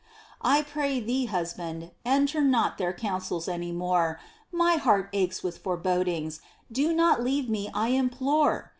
"I pray thee, husband, enter not their councils any more! My heart aches with forebodings! Do not leave me, I implore!